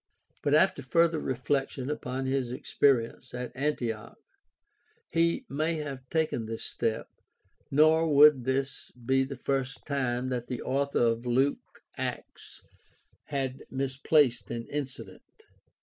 But after further reflection upon his experience at Antioch (Gal. 2 : 1 1 f .) he may have taken this step, nor would this be the first time that the author of Luke Acts had misplaced an incident.